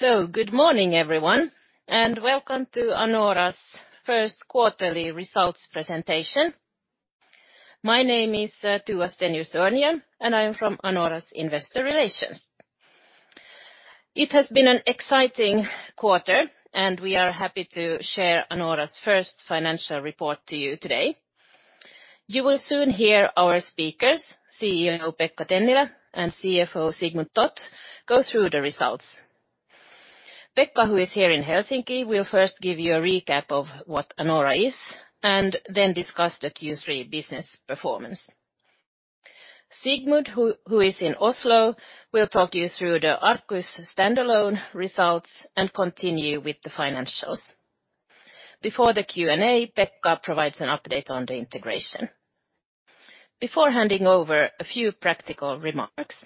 Good morning, everyone, and welcome to Anora's first quarterly results presentation. My name is Tua Stenius-Örnhjelm, and I am from Anora's Investor Relations. It has been an exciting quarter, and we are happy to share Anora's first financial report to you today. You will soon hear our speakers, CEO Pekka Tennilä and CFO Sigmund Toth, go through the results. Pekka, who is here in Helsinki, will first give you a recap of what Anora is and then discuss the Q3 business performance. Sigmund, who is in Oslo, will talk you through the Arcus standalone results and continue with the financials. Before the Q&A, Pekka provides an update on the integration. Before handing over, a few practical remarks.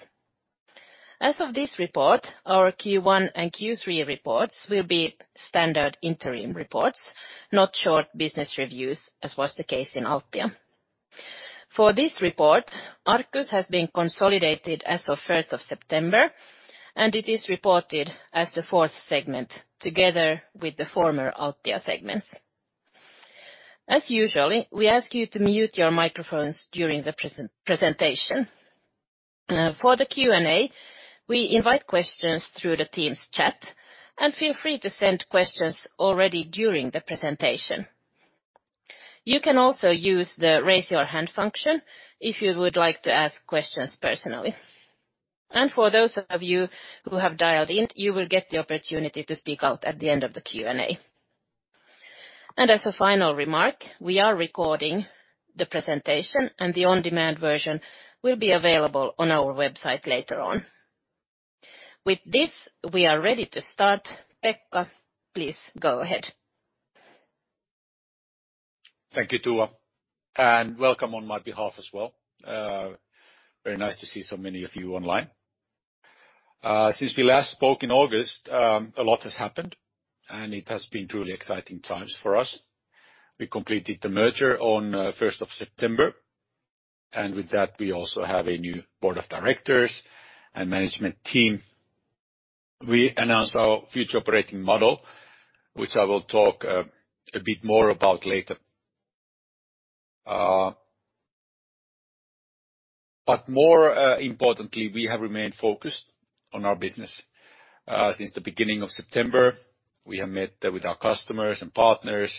As of this report, our Q1 and Q3 reports will be standard interim reports, not short business reviews, as was the case in Altia. For this report, Arcus has been consolidated as of September 1, and it is reported as the fourth segment, together with the former Altia segments. As usual, we ask you to mute your microphones during the presentation. For the Q&A, we invite questions through the team's chat, and feel free to send questions already during the presentation. You can also use the Raise Your Hand function if you would like to ask questions personally. For those of you who have dialed in, you will get the opportunity to speak out at the end of the Q&A. As a final remark, we are recording the presentation, and the on-demand version will be available on our website later on. With this, we are ready to start. Pekka, please go ahead. Thank you, Tua, and welcome on my behalf as well. Very nice to see so many of you online. Since we last spoke in August, a lot has happened, and it has been truly exciting times for us. We completed the merger on 1st of September, and with that, we also have a new board of directors and management team. We announced our future operating model, which I will talk a bit more about later. More importantly, we have remained focused on our business. Since the beginning of September, we have met with our customers and partners,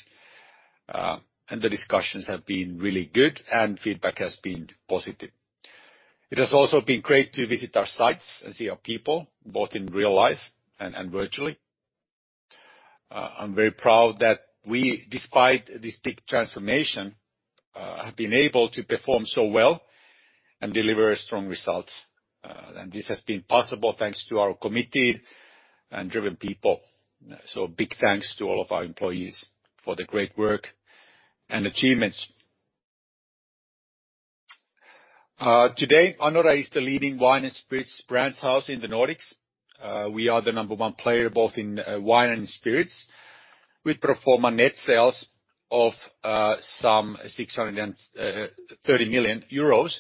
and the discussions have been really good, and feedback has been positive. It has also been great to visit our sites and see our people, both in real life and virtually. I'm very proud that we, despite this big transformation, have been able to perform so well and deliver strong results. This has been possible thanks to our committed and driven people. Big thanks to all of our employees for the great work and achievements. Today, Anora is the leading wine and spirits brands house in the Nordics. We are the number one player both in wine and spirits. We perform a net sales of some 630 million euros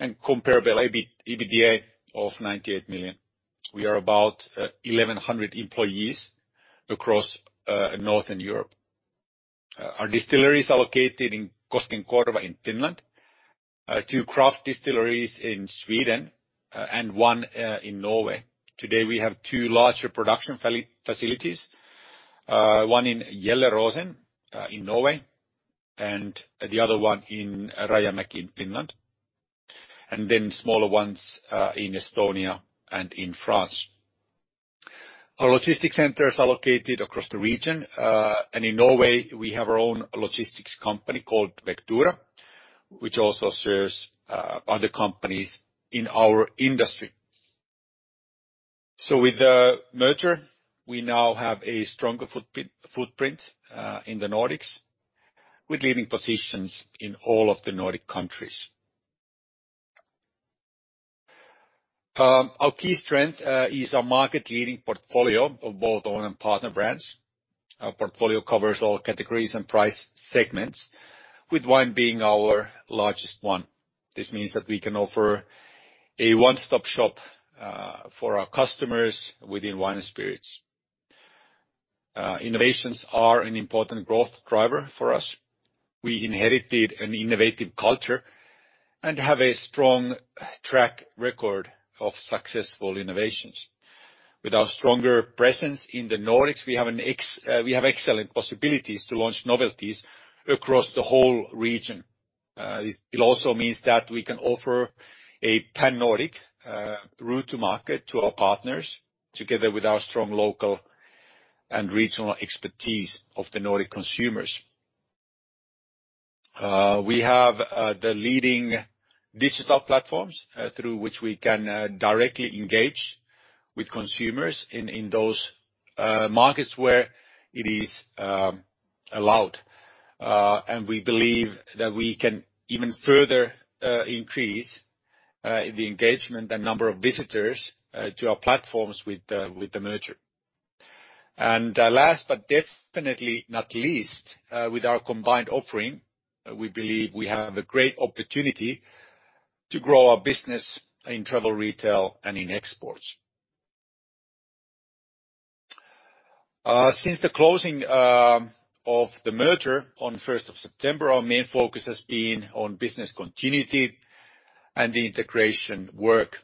and comparable EBITDA of 98 million. We are about 1,100 employees across Northern Europe. Our distillery is located in Koskenkorva in Finland, two craft distilleries in Sweden, and one in Norway. Today, we have two larger production facilities, one in Gjelleråsen, in Norway and the other one in Rajamäki in Finland, and then smaller ones, in Estonia and in France. Our logistic centers are located across the region, and in Norway, we have our own logistics company called Vectura, which also serves, other companies in our industry. With the merger, we now have a stronger footprint, in the Nordics, with leading positions in all of the Nordic countries. Our key strength, is our market-leading portfolio of both owner and partner brands. Our portfolio covers all categories and price segments, with wine being our largest one. This means that we can offer a one-stop shop, for our customers within wine and spirits. Innovations are an important growth driver for us. We inherited an innovative culture and have a strong track record of successful innovations. With our stronger presence in the Nordics, we have excellent possibilities to launch novelties across the whole region. It also means that we can offer a Pan-Nordic route to market to our partners together with our strong local and regional expertise of the Nordic consumers. We have the leading digital platforms through which we can directly engage with consumers in those markets where it is allowed. We believe that we can even further increase the engagement and number of visitors to our platforms with the merger. Last but definitely not least, with our combined offering, we believe we have a great opportunity to grow our business in travel retail and in exports. Since the closing of the merger on first of September, our main focus has been on business continuity and the integration work.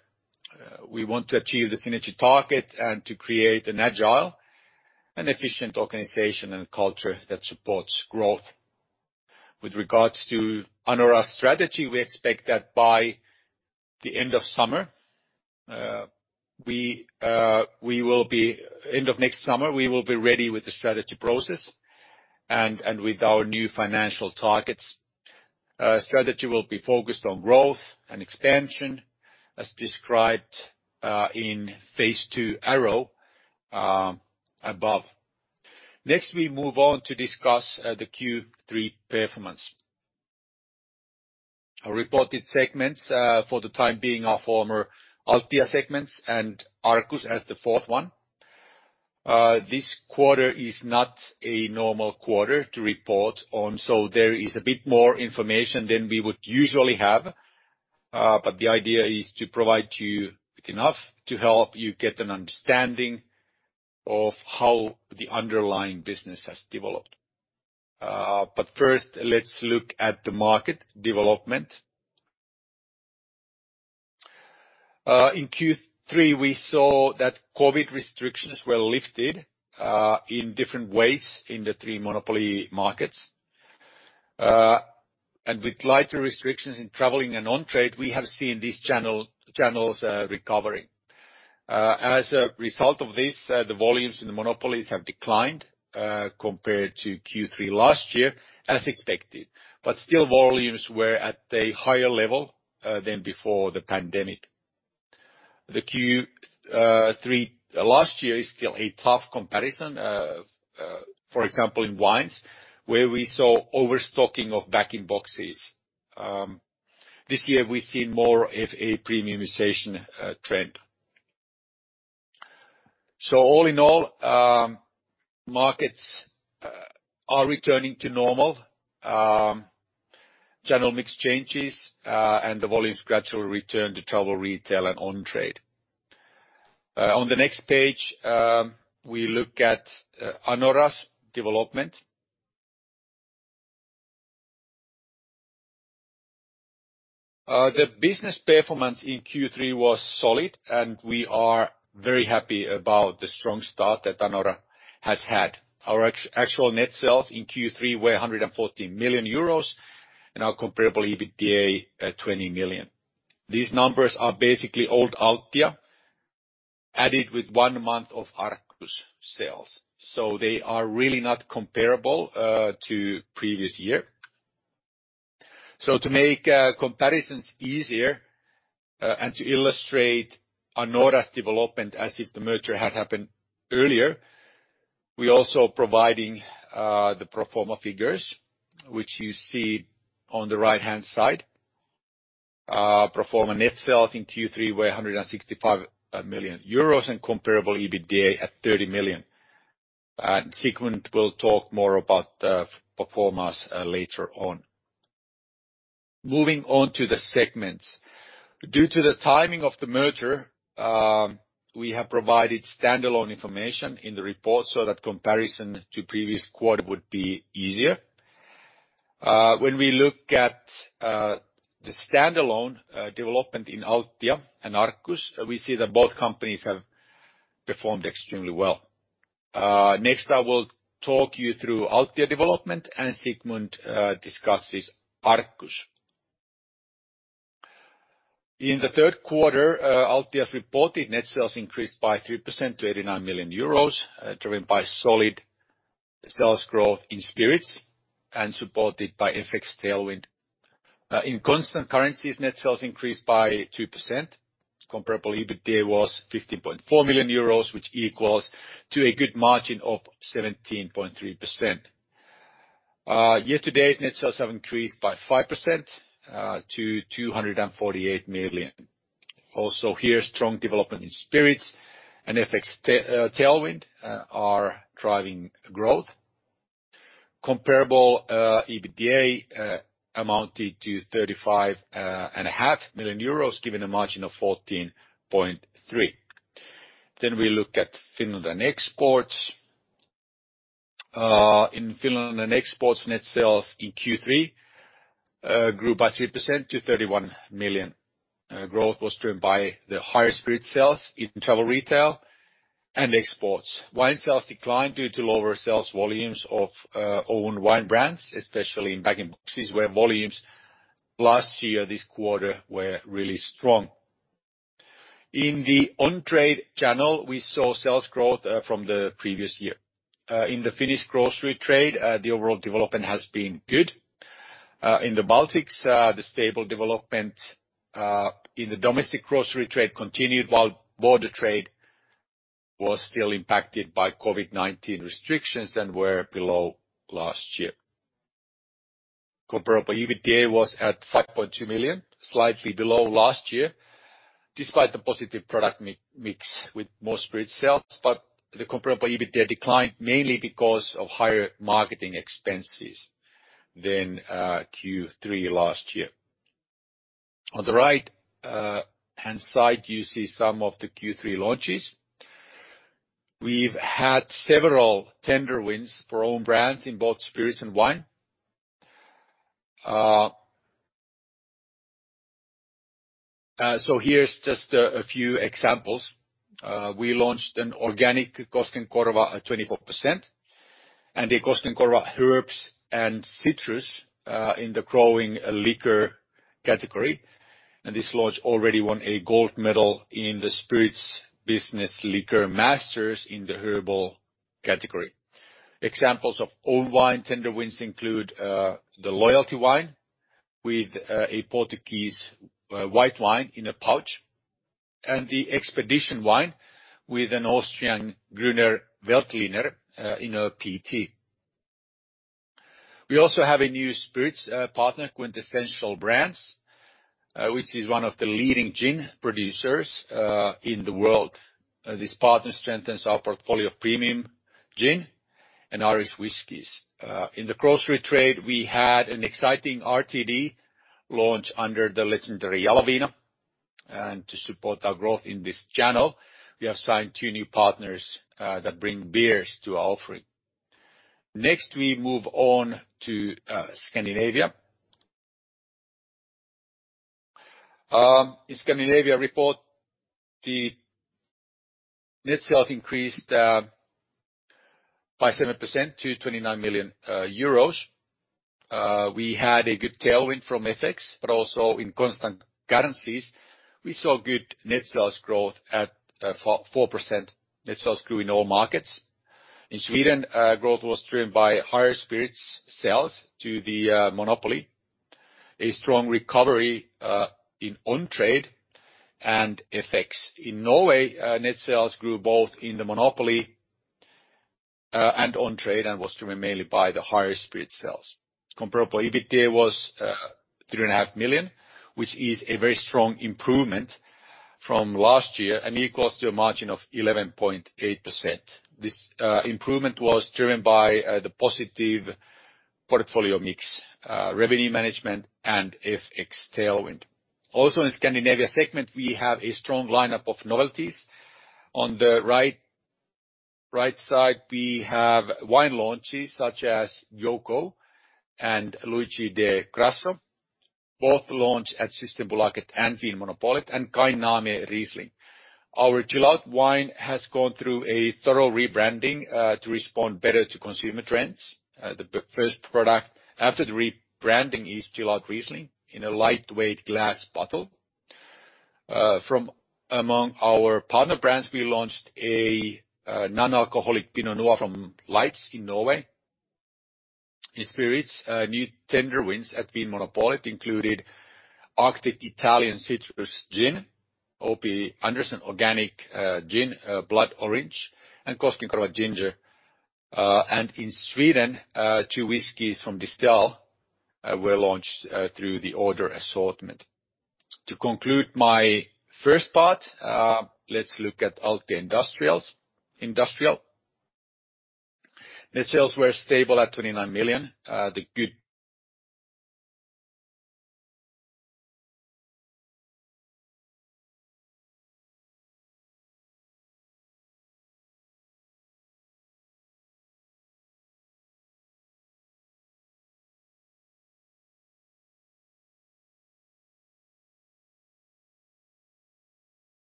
We want to achieve the synergy target and to create an agile and efficient organization and culture that supports growth. With regards to Anora's strategy, we expect that by the end of next summer, we will be ready with the strategy process and with our new financial targets. Strategy will be focused on growth and expansion as described in phase two or above. Next, we move on to discuss the Q3 performance. Our reported segments for the time being, our former Altia segments and Arcus as the fourth one. This quarter is not a normal quarter to report on, so there is a bit more information than we would usually have, but the idea is to provide you with enough to help you get an understanding of how the underlying business has developed. First, let's look at the market development. In Q3, we saw that COVID restrictions were lifted in different ways in the three monopoly markets. With lighter restrictions in traveling and on trade, we have seen these channels recovering. As a result of this, the volumes in the monopolies have declined compared to Q3 last year, as expected. Still volumes were at a higher level than before the pandemic. The Q3 last year is still a tough comparison, for example, in wines, where we saw overstocking of bag-in-boxes. This year we've seen more of a premiumization trend. All in all, markets are returning to normal, channel mix changes, and the volumes gradually return to travel retail and on trade. On the next page, we look at Anora's development. The business performance in Q3 was solid, and we are very happy about the strong start that Anora has had. Our actual net sales in Q3 were 114 million euros and our comparable EBITDA at 20 million. These numbers are basically old Altia added with one month of Arcus sales. They are really not comparable to previous year. To make comparisons easier and to illustrate Anora's development as if the merger had happened earlier, we're also providing the pro forma figures, which you see on the right-hand side. Pro forma net sales in Q3 were 165 million euros and comparable EBITDA at 30 million. Sigmund will talk more about the pro formas later on. Moving on to the segments. Due to the timing of the merger, we have provided standalone information in the report so that comparison to previous quarter would be easier. When we look at the standalone development in Altia and Arcus, we see that both companies have performed extremely well. Next, I will talk you through Altia development and Sigmund discusses Arcus. In the third quarter, Altia's reported net sales increased by 3% to 89 million euros, driven by solid sales growth in spirits and supported by FX tailwind. In constant currencies, net sales increased by 2%. Comparable EBITDA was 15.4 million euros, which equals to a good margin of 17.3%. Year-to-date, net sales have increased by 5% to 248 million. Also here, strong development in spirits and FX tailwind are driving growth. Comparable EBITDA amounted to 35.5 million euros, given a margin of 14.3. We look at Finland and exports. In Finland and exports, net sales in Q3 grew by 3% to 31 million. Growth was driven by the higher spirit sales in travel retail and exports. Wine sales declined due to lower sales volumes of own wine brands, especially in bag-in-boxes, where volumes last year, this quarter were really strong. In the on-trade channel, we saw sales growth from the previous year. In the Finnish grocery trade, the overall development has been good. In the Baltics, the stable development in the domestic grocery trade continued, while border trade was still impacted by COVID-19 restrictions and were below last year. Comparable EBITDA was 5.2 million, slightly below last year, despite the positive product mix with more spirit sales. The comparable EBITDA declined mainly because of higher marketing expenses than Q3 last year. On the right-hand side, you see some of the Q3 launches. We've had several tender wins for own brands in both spirits and wine. Here's just a few examples. We launched an organic Koskenkorva at 24%, and a Koskenkorva herbs and citrus in the growing liquor category. This launch already won a gold medal in the Spirits Business Liquor Masters in the herbal category. Examples of own wine tender wins include the loyalty wine with a Portuguese white wine in a pouch, and the expedition wine with an Austrian Grüner Veltliner in a PET. We also have a new spirits partner, Quintessential Brands, which is one of the leading gin producers in the world. This partner strengthens our portfolio of premium gin and Irish whiskeys. In the grocery trade, we had an exciting RTD launch under the legendary Jaloviina. To support our growth in this channel, we have signed two new partners that bring beers to our offering. Next, we move on to Scandinavia. In Scandinavia report, the net sales increased by 7% to 29 million euros. We had a good tailwind from FX, but also in constant currencies, we saw good net sales growth at 4%. Net sales grew in all markets. In Sweden, growth was driven by higher spirits sales to the monopoly, a strong recovery in on trade and FX. In Norway, net sales grew both in the monopoly and on trade, and was driven mainly by the higher spirit sales. Comparable EBITDA was 3.5 million, which is a very strong improvement from last year and equals to a margin of 11.8%. This improvement was driven by the positive portfolio mix, revenue management and FX tailwind. Also in Scandinavian segment, we have a strong lineup of novelties. On the right side, we have wine launches such as Yoko and Luigi di Grasso, both launched at Systembolaget and Vinmonopolet and Kai Name Riesling. Our Gelato wine has gone through a thorough rebranding to respond better to consumer trends. The first product after the rebranding is Gelato Riesling in a lightweight glass bottle. From among our partner brands, we launched a non-alcoholic Pinot Noir from Leitz in Norway. In spirits, new tender wins at Vinmonopolet included Arctic Italian Citrus Gin, O.P. Anderson Organic Blood Orange Gin, and Koskenkorva Ginger. In Sweden, two whiskeys from Distell were launched through the order assortment. To conclude my first part, let's look at Industrial. Net sales were stable at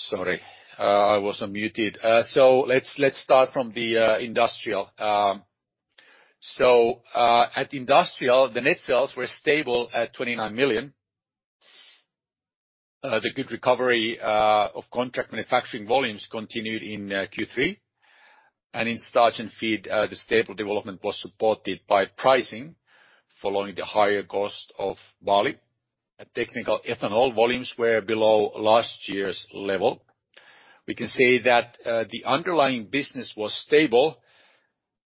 EUR 29 million. The good recovery of contract manufacturing volumes continued in Q3. In starch and feed, the stable development was supported by pricing following the higher cost of barley. Technical ethanol volumes were below last year's level. We can say that the underlying business was stable,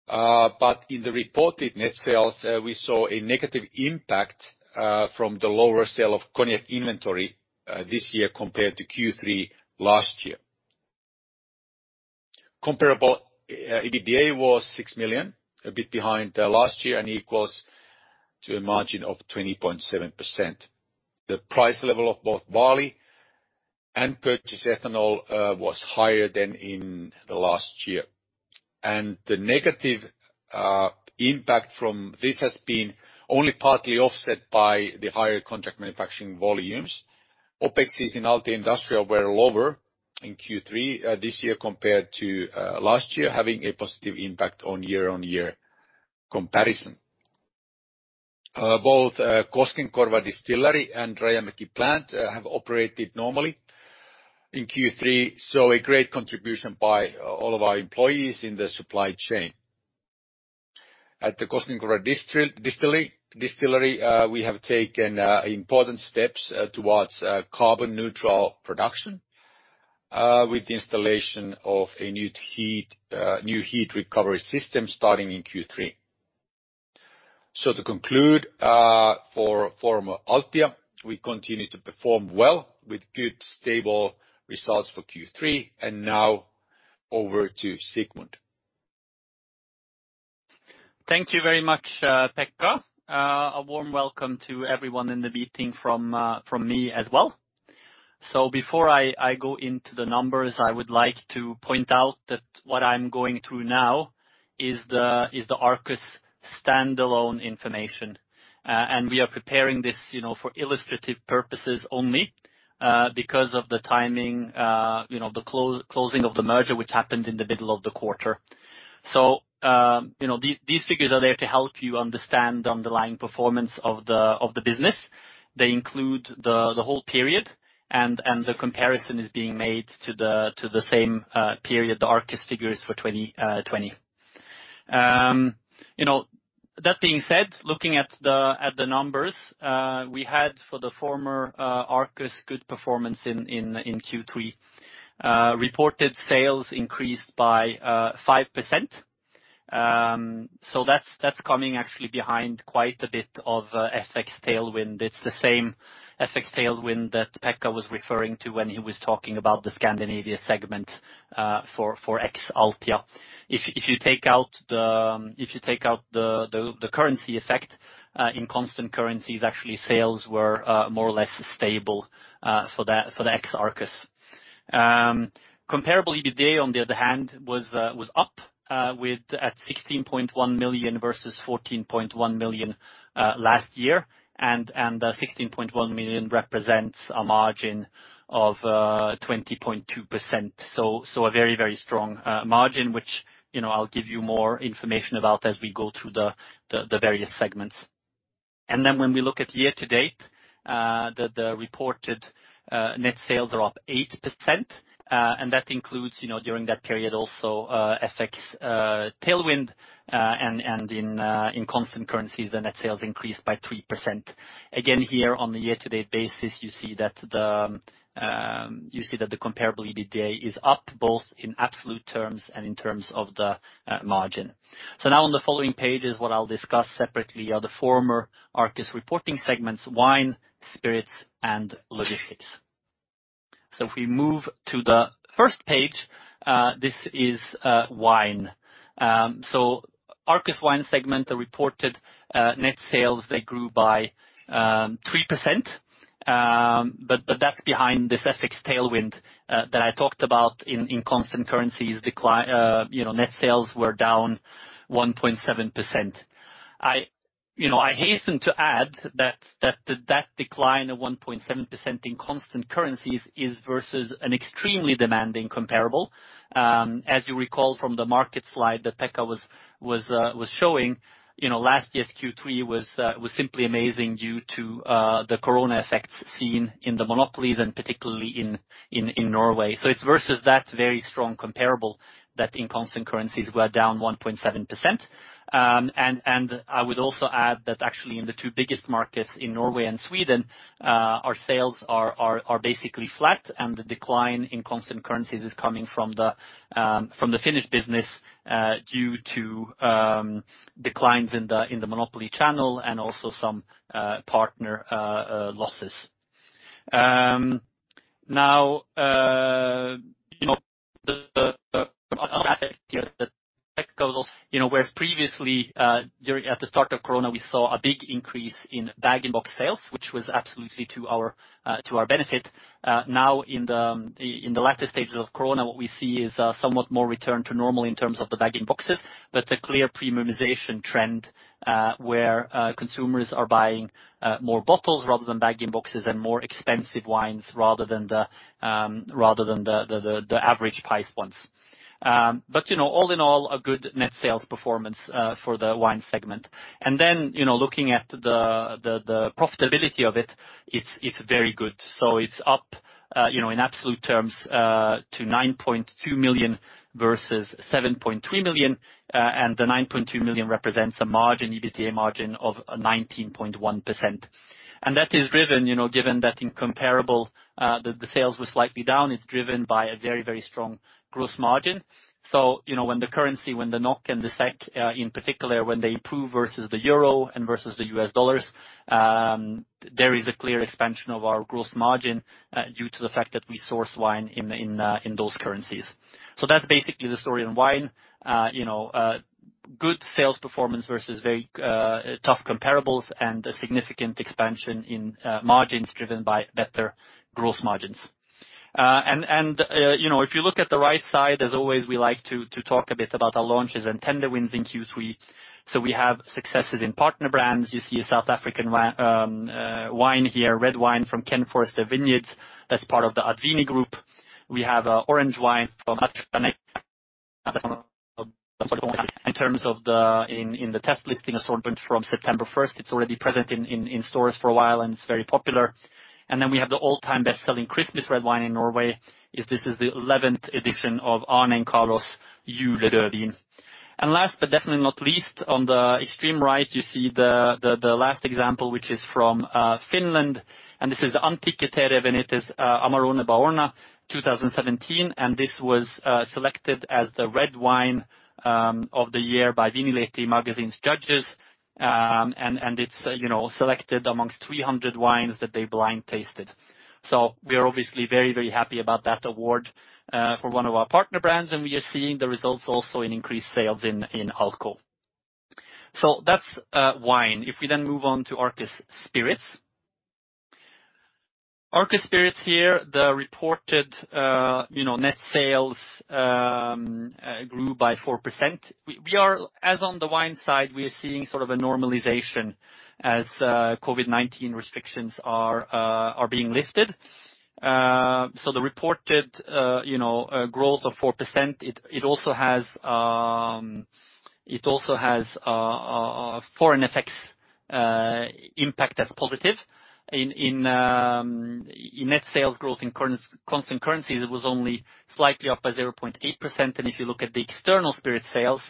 but in the reported net sales, we saw a negative impact from the lower sale of cognac inventory this year compared to Q3 last year. Comparable EBITDA was 6 million, a bit behind last year and equals a margin of 20.7%. The price level of both barley and purchased ethanol was higher than in the last year. The negative impact from this has been only partly offset by the higher contract manufacturing volumes. OpExes in Altia Industrial were lower in Q3 this year compared to last year, having a positive impact on year-on-year comparison. Both Koskenkorva Distillery and Rajamäki Plant have operated normally in Q3, so a great contribution by all of our employees in the supply chain. At the Koskenkorva Distillery, we have taken important steps towards carbon-neutral production with the installation of a new heat recovery system starting in Q3. To conclude, for Altia, we continue to perform well with good, stable results for Q3. Now over to Sigmund. Thank you very much, Pekka. A warm welcome to everyone in the meeting from me as well. Before I go into the numbers, I would like to point out that what I'm going through now is the Arcus standalone information. We are preparing this, you know, for illustrative purposes only, because of the timing, you know, the closing of the merger which happened in the middle of the quarter. You know, these figures are there to help you understand the underlying performance of the business. They include the whole period and the comparison is being made to the same period, the Arcus figures for 2020. You know, that being said, looking at the numbers, we had good performance for the former Arcus in Q3. Reported sales increased by 5%, so that's coming actually behind quite a bit of FX tailwind. It's the same FX tailwind that Pekka was referring to when he was talking about the Scandinavia segment for ex Altia. If you take out the currency effect, in constant currencies, actually, sales were more or less stable for the ex Arcus. Comparable EBITDA, on the other hand, was up to 16.1 million versus 14.1 million last year. The 16.1 million represents a margin of 20.2%. A very strong margin, which, you know, I'll give you more information about as we go through the various segments. When we look at year-to-date, the reported net sales are up 8%, and that includes, you know, during that period also, FX tailwind, and in constant currencies, the net sales increased by 3%. Again, here on the year-to-date basis, you see that the comparable EBITDA is up both in absolute terms and in terms of the margin. Now on the following pages, what I'll discuss separately are the former Arcus reporting segments. Wine, Spirits, and Logistics. If we move to the first page, this is wine. Arcus wine segment, the reported net sales they grew by 3%, but that's behind this FX tailwind that I talked about. In constant currencies, net sales were down 1.7%. You know, I hasten to add that the decline of 1.7% in constant currencies is versus an extremely demanding comparable. As you recall from the market slide that Pekka was showing. You know, last year's Q3 was simply amazing due to the Corona effects seen in the monopolies and particularly in Norway. It's versus that very strong comparable that in constant currencies were down 1.7%. I would also add that actually in the two biggest markets in Norway and Sweden, our sales are basically flat and the decline in constant currencies is coming from the Finnish business due to declines in the monopoly channel and also some partner losses. Now, you know, the other aspect here that Pekka goes off, you know, whereas previously, at the start of Corona, we saw a big increase in bag-in-box sales, which was absolutely to our benefit. Now in the latter stages of Corona, what we see is somewhat more return to normal in terms of the bag-in-boxes, but a clear premiumization trend, where consumers are buying more bottles rather than bag-in-boxes and more expensive wines rather than the average priced ones. You know, all in all, a good net sales performance for the wine segment. Then, you know, looking at the profitability of it's very good. It's up, you know, in absolute terms, to 9.2 million versus 7.3 million. The 9.2 million represents a margin, EBITDA margin of 19.1%. That is driven, you know, given that in comparable, the sales were slightly down. It's driven by a very, very strong gross margin. You know, when the NOK and the SEK in particular when they improve versus the euro and versus the U.S. dollars, there is a clear expansion of our gross margin due to the fact that we source wine in those currencies. That's basically the story in wine. You know, good sales performance versus very tough comparables and a significant expansion in margins driven by better gross margins. You know, if you look at the right side, as always, we like to talk a bit about our launches and tender wins in Q3. We have successes in partner brands. You see a South African wine here, red wine from Ken Forrester Vineyards. That's part of the AdVini Group. We have an orange wine from Atrapaneira. In terms of the test listing assortment from September 1, it's already present in stores for a while, and it's very popular. Then we have the all-time best-selling Christmas red wine in Norway. This is the eleventh edition of Arne og Carlos Julerødvin. Last but definitely not least, on the extreme right, you see the last example, which is from Finland, and this is the Antiche Terre Amarone Baorna 2017, and this was selected as the red wine of the year by Viinilehti magazine's judges. It's, you know, selected amongst 300 wines that they blind tasted. We are obviously very, very happy about that award for one of our partner brands, and we are seeing the results also in increased sales in Alko. That's wine. If we move on to Arcus Spirits. Arcus Spirits here, the reported you know net sales grew by 4%. We are as on the wine side, we are seeing sort of a normalization as COVID-19 restrictions are being lifted. The reported growth of 4%, it also has a FX effects impact that's positive. In net sales growth in constant currencies, it was only slightly up by 0.8%. If you look at the external spirit sales,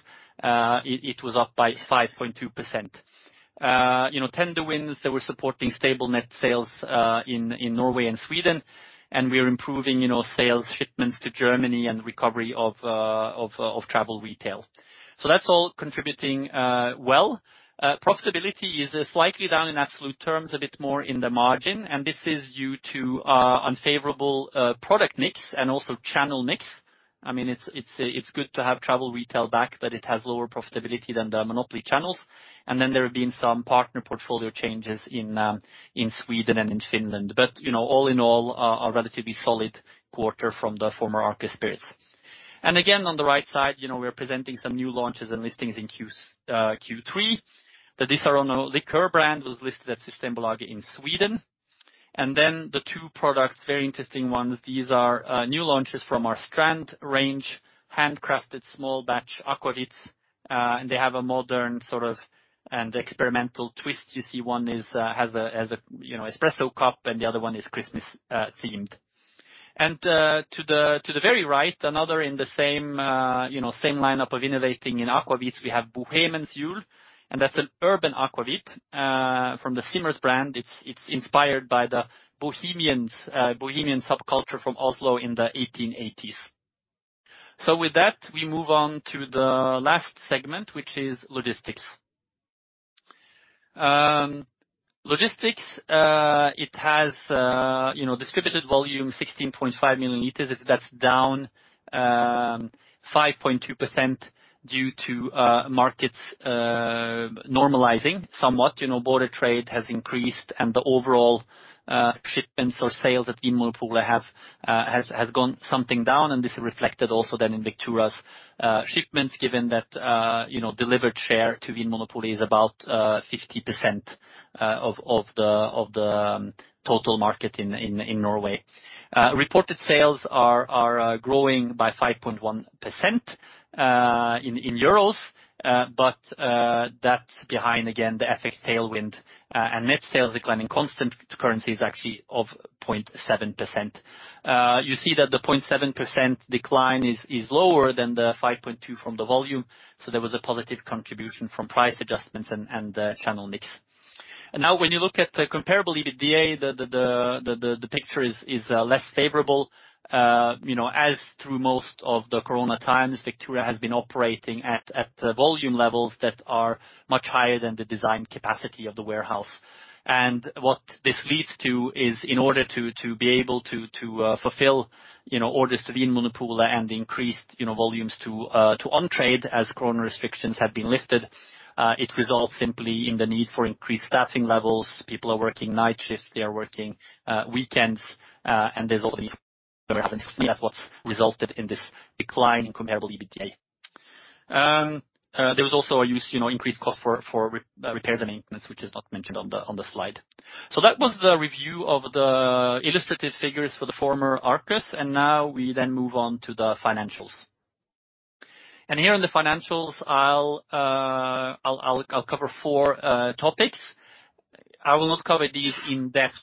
it was up by 5.2%. You know, tender wins that were supporting stable net sales in Norway and Sweden, and we are improving, you know, sales shipments to Germany and recovery of travel retail. That's all contributing well. Profitability is slightly down in absolute terms, a bit more in the margin, and this is due to unfavorable product mix and also channel mix. I mean, it's good to have travel retail back, but it has lower profitability than the monopoly channels. Then there have been some partner portfolio changes in Sweden and in Finland. You know, all in all, a relatively solid quarter from the former Arcus Spirits. Again, on the right side, you know, we are presenting some new launches and listings in Q3. The Disaronno liquor brand was listed at Systembolaget in Sweden. Then the two products, very interesting ones. These are new launches from our Strand range, handcrafted small batch aquavits, and they have a modern sort of and experimental twist. You see one has a you know espresso cup, and the other one is Christmas themed. To the very right, another in the same you know same lineup of innovating in aquavits, we have Bohemens Jul, and that's an urban aquavit from the Simers brand. It's inspired by the Bohemians Bohemian subculture from Oslo in the 1880s. With that, we move on to the last segment, which is logistics. Logistics it has you know distributed volume 16.5 million liters. That's down 5.2% due to markets normalizing somewhat. You know, border trade has increased and the overall shipments or sales at Vinmonopolet has gone somewhat down, and this is reflected also then in Vectura's shipments, given that, you know, delivered share to Vinmonopolet is about 50% of the total market in Norway. Reported sales are growing by 5.1% in EUR, but that's behind again the FX tailwind, and net sales declining constant currency is actually 0.7%. You see that the 0.7% decline is lower than the 5.2% from the volume, so there was a positive contribution from price adjustments and channel mix. Now, when you look at the comparable EBITDA, the picture is less favorable. You know, through most of the corona times, Vectura has been operating at volume levels that are much higher than the design capacity of the warehouse. What this leads to is in order to be able to fulfill you know, orders to Vinmonopolet and increase you know, volumes to on trade as corona restrictions have been lifted, it results simply in the need for increased staffing levels. People are working night shifts. They are working weekends, and that's obviously what's resulted in this decline in comparable EBITDA. There was also increased cost for repairs and maintenance, which is not mentioned on the slide. That was the review of the illustrated figures for the former Arcus, and now we then move on to the financials. Here in the financials, I'll cover four topics. I will not cover these in depth.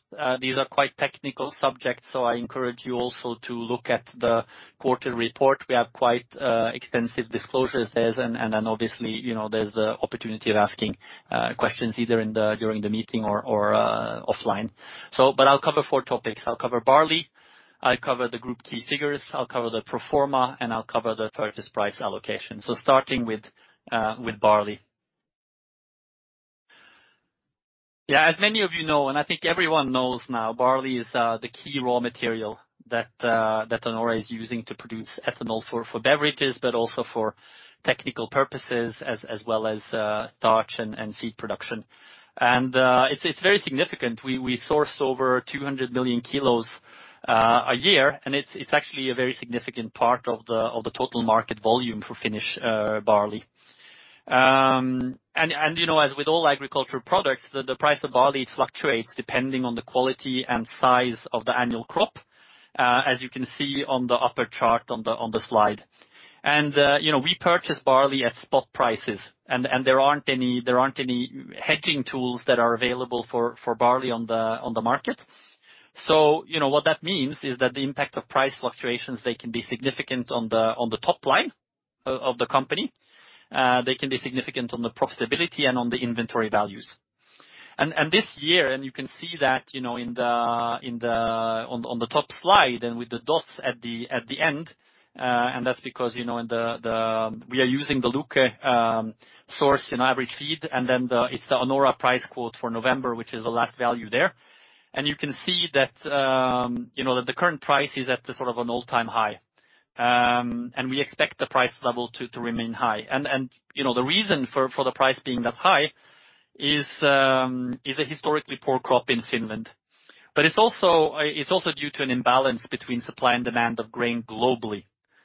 These are quite technical subjects, so I encourage you also to look at the quarter report. We have quite extensive disclosures there and then obviously, you know, there's the opportunity of asking questions either during the meeting or offline. But I'll cover four topics. I'll cover barley, I'll cover the group key figures, I'll cover the pro forma, and I'll cover the purchase price allocation. Starting with barley. Yeah, as many of you know, and I think everyone knows now, barley is the key raw material that Anora is using to produce ethanol for beverages, but also for technical purposes as well as starch and seed production. It's very significant. We source over 200 million kilos a year, and it's actually a very significant part of the total market volume for Finnish barley. You know, as with all agricultural products, the price of barley fluctuates depending on the quality and size of the annual crop, as you can see on the upper chart on the slide. You know, we purchase barley at spot prices, and there aren't any hedging tools that are available for barley on the market. You know, what that means is that the impact of price fluctuations they can be significant on the top line of the company. They can be significant on the profitability and on the inventory values. This year, you can see that, you know, on the top slide and with the dots at the end, and that's because, you know, we are using the Luke source in average feed, and then it's the Anora price quote for November, which is the last value there. You can see that, you know, that the current price is at the sort of an all-time high. We expect the price level to remain high. You know, the reason for the price being that high is a historically poor crop in Finland. It's also due to an imbalance between supply and demand of grain globally,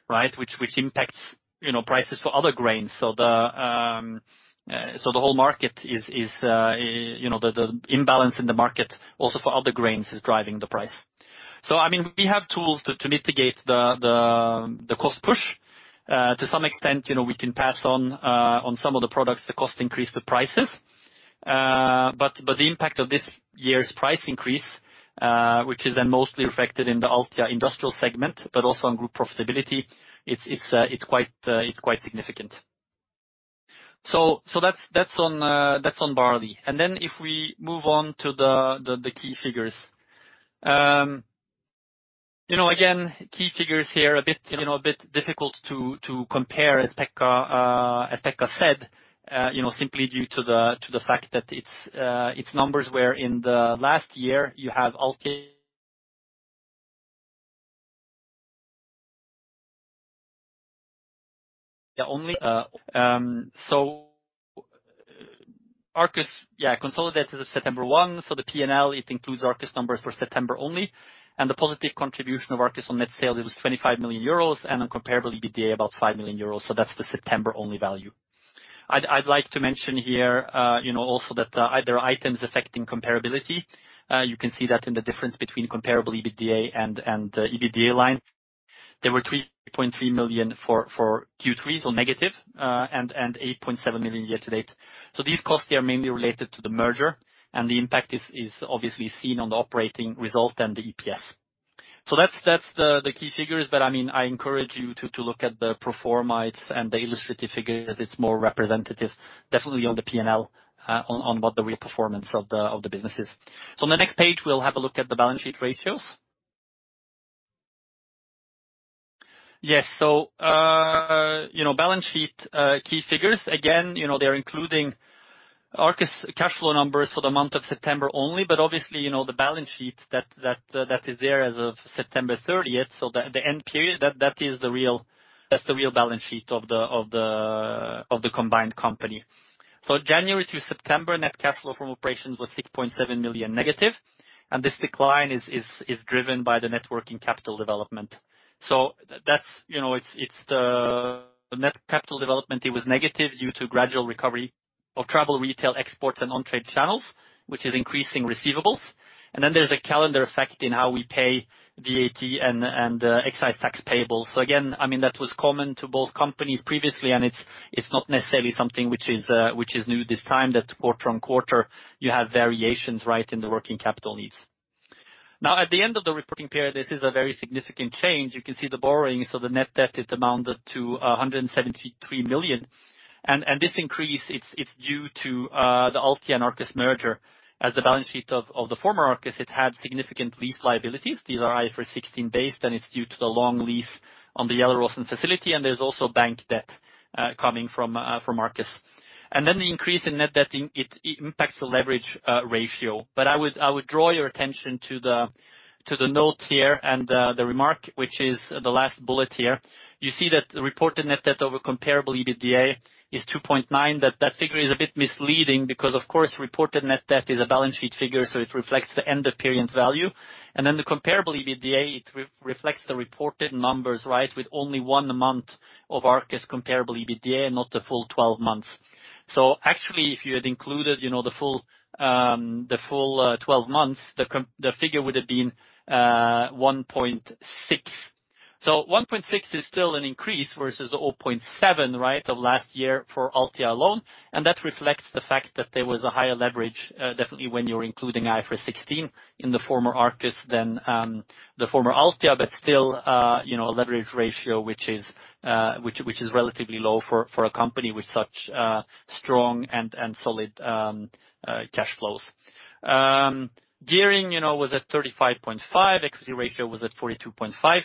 right? Which impacts, you know, prices for other grains. The whole market is, you know, the imbalance in the market also for other grains is driving the price. I mean, we have tools to mitigate the cost push. To some extent, you know, we can pass on some of the products the cost increase to prices. The impact of this year's price increase, which is then mostly reflected in the Altia industrial segment, but also on group profitability, it's quite significant. That's on barley. If we move on to the key figures. You know, again, key figures here a bit difficult to compare as Pekka said, you know, simply due to the fact that it's numbers where in the last year you have Altia only. So Arcus consolidated as of September 1, so the P&L, it includes Arcus numbers for September only, and the positive contribution of Arcus on net sales was 25 million euros and on comparable EBITDA about 5 million euros. That's the September only value. I'd like to mention here, you know, also that there are items affecting comparability. You can see that in the difference between comparable EBITDA and the EBITDA line. There were -3.3 million for Q3, so negative, and -8.7 million year to date. These costs here are mainly related to the merger, and the impact is obviously seen on the operating result and the EPS. That's the key figures. I mean, I encourage you to look at the performs and the illustrative figures. It's more representative, definitely on the P&L, on what the real performance of the business is. On the next page, we'll have a look at the balance sheet ratios. Yes. Balance sheet key figures, again, they're including Arcus cash flow numbers for the month of September only, but obviously, the balance sheet that is there as of September 30. The end period that is the real balance sheet of the combined company. January through September, net cash flow from operations was -6.7 million. This decline is driven by the net working capital development. That's the net capital development; it was negative due to gradual recovery of travel, retail, exports, and on trade channels, which is increasing receivables. Then there's a calendar effect in how we pay VAT and excise tax payable. Again, I mean, that was common to both companies previously, and it's not necessarily something which is new this time, that quarter on quarter you have variations, right, in the working capital needs. Now, at the end of the reporting period, this is a very significant change. You can see the borrowing, so the net debt, it amounted to 173 million. This increase, it's due to the Altia and Arcus merger, as the balance sheet of the former Arcus, it had significant lease liabilities. These are IFRS 16 based, and it's due to the long lease on the Gjelleråsen facility, and there's also bank debt coming from Arcus. Then the increase in net debt, it impacts the leverage ratio. I would draw your attention to the notes here and the remark, which is the last bullet here. You see that the reported net debt over comparable EBITDA is 2.9. That figure is a bit misleading because of course, reported net debt is a balance sheet figure, so it reflects the end of period value. Then the comparable EBITDA, it reflects the reported numbers, right, with only one month of Arcus comparable EBITDA and not the full 12 months. Actually, if you had included, you know, the full 12 months, the figure would have been 1.6. 1.6 is still an increase versus the 0.7, right, of last year for Altia alone, and that reflects the fact that there was a higher leverage definitely when you're including IFRS 16 in the former Arcus than the former Altia, but still, you know, a leverage ratio which is relatively low for a company with such strong and solid cash flows. Gearing, you know, was at 35.5%, equity ratio was at 42.5%.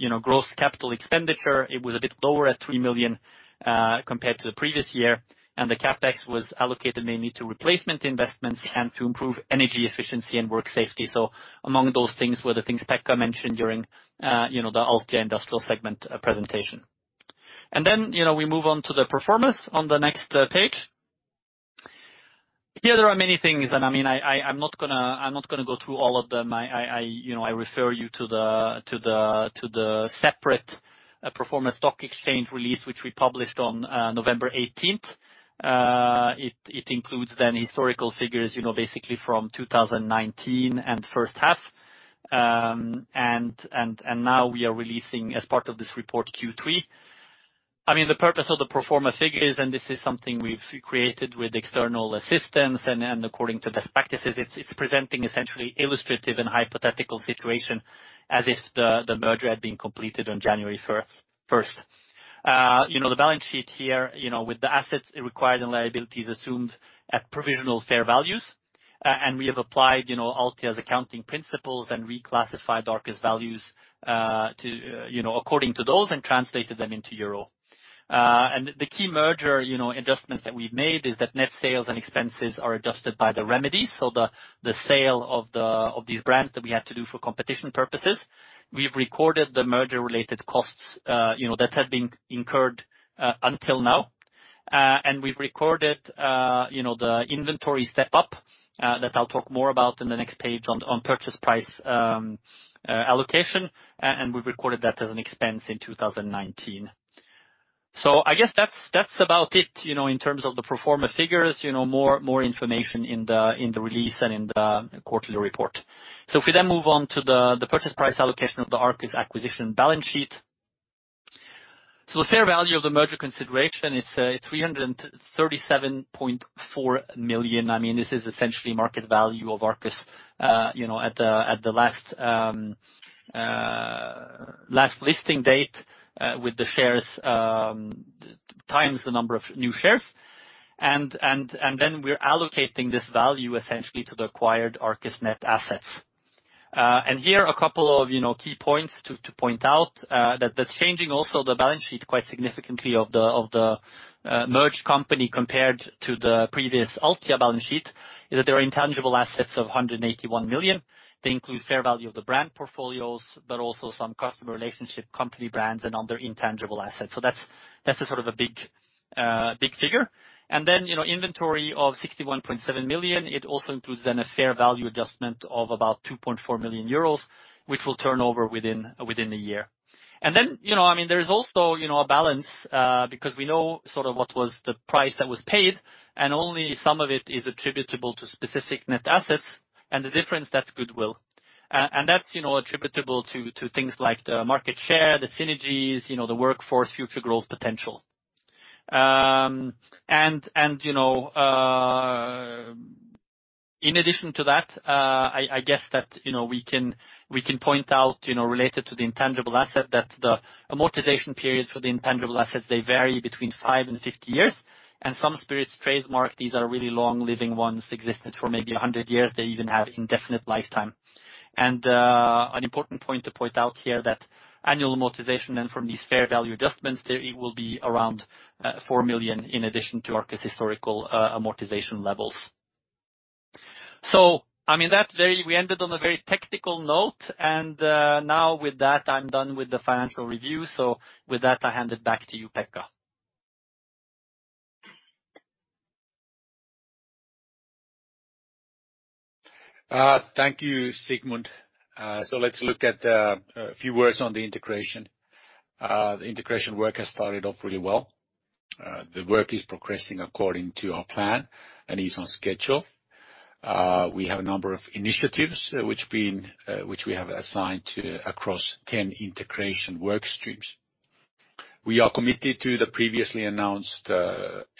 You know, gross capital expenditure, it was a bit lower at 3 million compared to the previous year, and the CapEx was allocated mainly to replacement investments and to improve energy efficiency and work safety. Among those things were the things Pekka mentioned during the Altia industrial segment presentation. We move on to the performance on the next page. There are many things. I'm not gonna go through all of them. I refer you to the separate pro forma stock exchange release, which we published on November 18. It includes historical figures basically from 2019 and first half. Now we are releasing, as part of this report, Q3. I mean, the purpose of the pro forma figures, and this is something we've created with external assistance and according to best practices, it's presenting essentially illustrative and hypothetical situation as if the merger had been completed on January first. You know, the balance sheet here, you know, with the assets it required and liabilities assumed at provisional fair values. We have applied, you know, Altia's accounting principles and reclassified Arcus values to, you know, according to those, and translated them into euro. The key merger, you know, adjustments that we've made is that net sales and expenses are adjusted by the remedy. The sale of these brands that we had to do for competition purposes. We've recorded the merger-related costs, you know, that had been incurred until now. We've recorded, you know, the inventory step up that I'll talk more about in the next page on purchase price allocation and we've recorded that as an expense in 2019. I guess that's about it, you know, in terms of the pro forma figures. You know, more information in the release and in the quarterly report. If we then move on to the purchase price allocation of the Arcus acquisition balance sheet. The fair value of the merger consideration, it's 337.4 million. I mean, this is essentially market value of Arcus, you know, at the last listing date with the shares times the number of new shares. Then we're allocating this value essentially to the acquired Arcus net assets. Here a couple of, you know, key points to point out, that that's changing also the balance sheet quite significantly of the merged company compared to the previous Altia balance sheet, is that there are intangible assets of 181 million. They include fair value of the brand portfolios, but also some customer relationship company brands and other intangible assets. That's a sort of a big figure. Inventory of 61.7 million, it also includes then a fair value adjustment of about 2.4 million euros, which we'll turn over within the year. You know, I mean, there is also, you know, a balance, because we know sort of what was the price that was paid, and only some of it is attributable to specific net assets and the difference that's goodwill. And that's, you know, attributable to things like the market share, the synergies, you know, the workforce, future growth potential. And, you know, in addition to that, I guess that, you know, we can point out, you know, related to the intangible asset that the amortization periods for the intangible assets, they vary between five and 50 years. Some spirits trademarks, these are really long living ones, existed for maybe 100 years. They even have indefinite lifetime. An important point to point out here that annual amortization then from these fair value adjustments, there it will be around 4 million in addition to Arcus' historical amortization levels. I mean, we ended on a very technical note, and now with that, I'm done with the financial review. With that, I hand it back to you, Pekka. Thank you, Sigmund. Let's look at a few words on the integration. The integration work has started off really well. The work is progressing according to our plan and is on schedule. We have a number of initiatives which we have assigned across 10 integration work streams. We are committed to the previously announced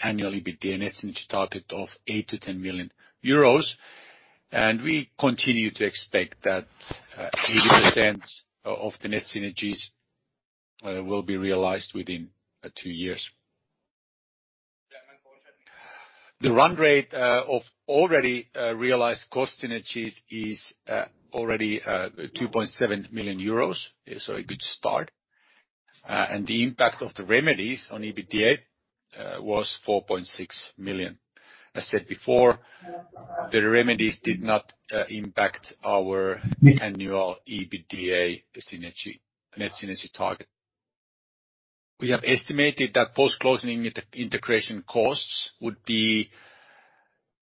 annual EBITDA net synergy target of 8 million-10 million euros, and we continue to expect that 80% of the net synergies will be realized within two years. The run rate of already realized cost synergies is already 2.7 million euros, so a good start. The impact of the remedies on EBITDA was 4.6 million. I said before, the remedies did not impact our annual EBITDA synergy, net synergy target. We have estimated that post-closing integration costs would be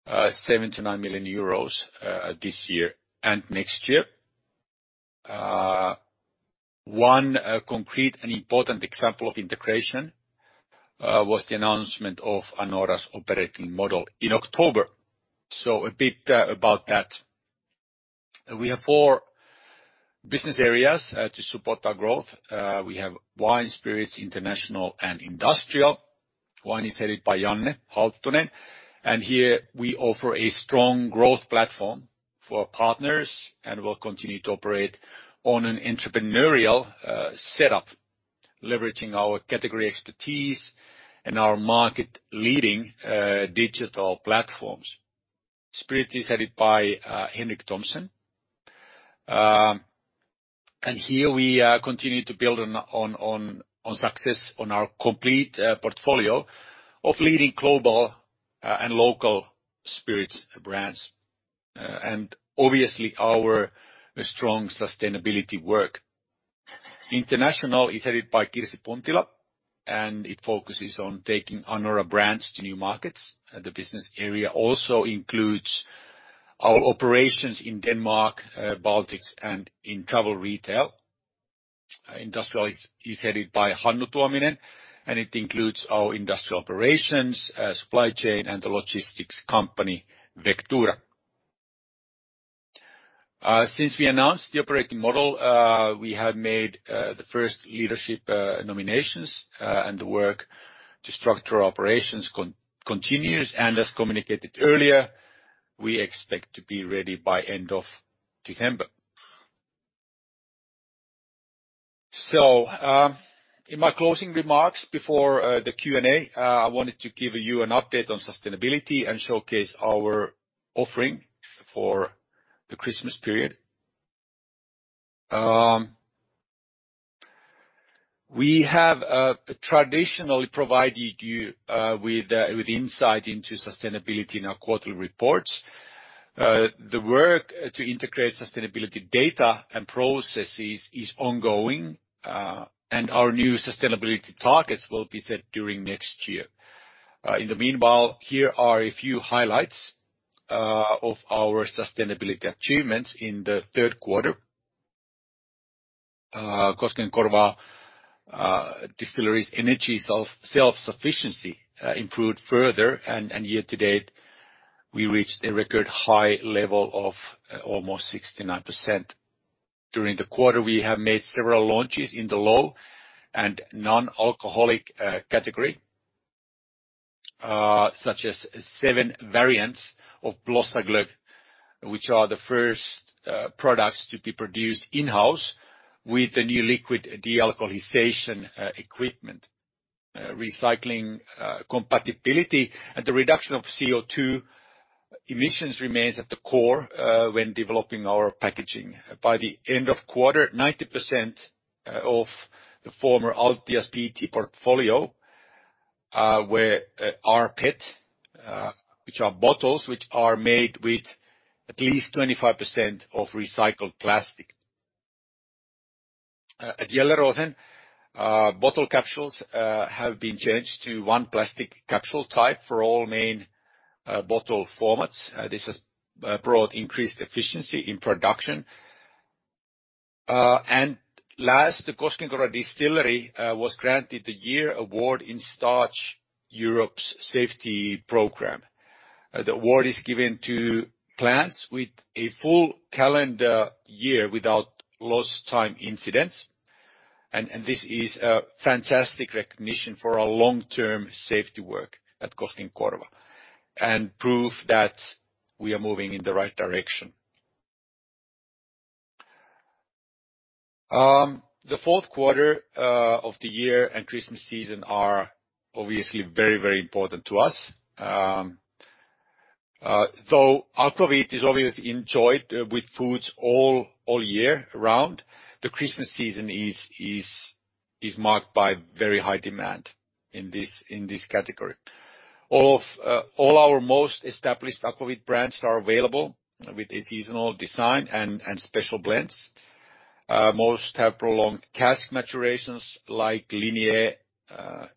7 million-9 million euros this year and next year. One concrete and important example of integration was the announcement of Anora's operating model in October. A bit about that. We have four business areas to support our growth. We have Wine, Spirits, International, and Industrial. Wine is headed by Janne Halttunen, and here we offer a strong growth platform for our partners and will continue to operate on an entrepreneurial setup, leveraging our category expertise and our market-leading digital platforms. Spirits is headed by Henrik Thomsen. Here we continue to build on success on our complete portfolio of leading global and local spirits brands, and obviously our strong sustainability work. International is headed by Kirsi Puntila, and it focuses on taking Anora brands to new markets. The business area also includes our operations in Denmark, Baltics and in travel retail. Industrial is headed by Hannu Tuominen, and it includes our industrial operations, supply chain, and the logistics company Vectura. Since we announced the operating model, we have made the first leadership nominations, and the work to structure operations continues. As communicated earlier, we expect to be ready by end of December. In my closing remarks before the Q&A, I wanted to give you an update on sustainability and showcase our offering for the Christmas period. We have traditionally provided you with insight into sustainability in our quarterly reports. The work to integrate sustainability data and processes is ongoing, and our new sustainability targets will be set during next year. In the meanwhile, here are a few highlights of our sustainability achievements in the third quarter. Koskenkorva distillery's energy self-sufficiency improved further and year to date, we reached a record high level of almost 69%. During the quarter, we have made several launches in the low and non-alcoholic category, such as seven variants of Blossa Glögg, which are the first products to be produced in-house with the new liquid dealcoholization equipment. Recycling compatibility and the reduction of CO2 emissions remains at the core when developing our packaging. By the end of quarter, 90% of the former Altia PET portfolio are PET, which are bottles which are made with at least 25% of recycled plastic. At Gjelleråsen, bottle capsules have been changed to one plastic capsule type for all main bottle formats. This has brought increased efficiency in production. Last, the Koskenkorva distillery was granted the yearly award in Starch Europe's safety program. The award is given to plants with a full calendar year without lost time incidents. This is a fantastic recognition for our long-term safety work at Koskenkorva and proof that we are moving in the right direction. The fourth quarter of the year and Christmas season are obviously very, very important to us. Though aquavit is obviously enjoyed with foods all year round, the Christmas season is marked by very high demand in this category. All our most established aquavit brands are available with a seasonal design and special blends. Most have prolonged cask maturations, like Linie,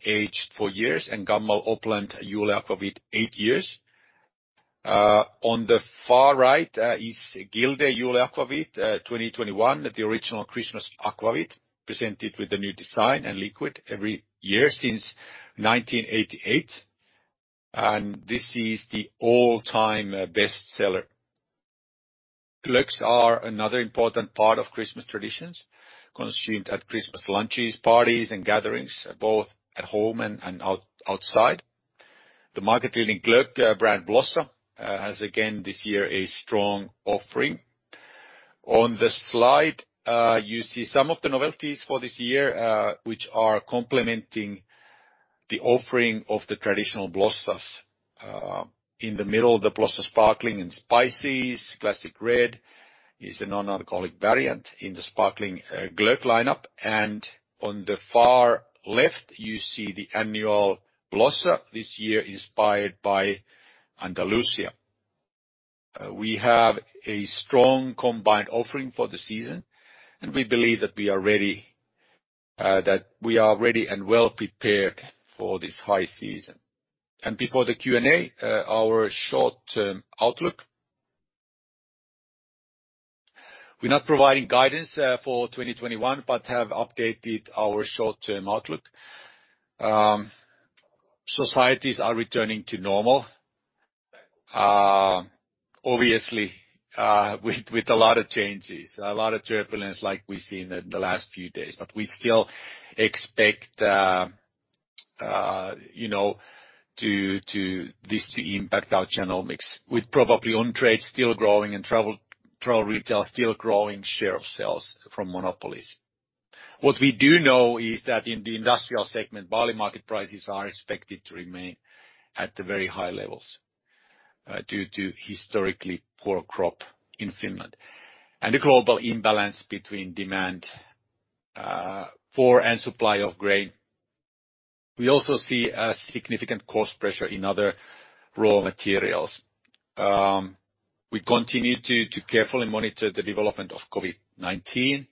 aged 4 years and Gammel Opland Juleaquavit 8 years. On the far right is Gilde Juleaquavit 2021, the original Christmas aquavit, presented with a new design and liquid every year since 1988. This is the all-time best seller. Glöggs are another important part of Christmas traditions, consumed at Christmas lunches, parties, and gatherings, both at home and outside. The market-leading Glögg brand Blossa has again this year a strong offering. On the slide you see some of the novelties for this year, which are complementing the offering of the traditional Blossas. In the middle, the Blossa Sparkling in spices, Classic Red is a non-alcoholic variant in the Sparkling Glögg lineup. On the far left, you see the annual Blossa, this year inspired by Andalusia. We have a strong combined offering for the season, and we believe that we are ready and well-prepared for this high season. Before the Q&A, our short-term outlook. We're not providing guidance for 2021, but have updated our short-term outlook. Societies are returning to normal, obviously, with a lot of changes, a lot of turbulence like we've seen in the last few days. We still expect, you know, this to impact our channel mix, with probably on-trade still growing and travel retail still growing share of sales from monopolies. What we do know is that in the industrial segment, barley market prices are expected to remain at the very high levels due to historically poor crop in Finland. The global imbalance between demand for and supply of grain. We also see a significant cost pressure in other raw materials. We continue to carefully monitor the development of COVID-19